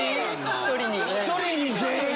１人に全員？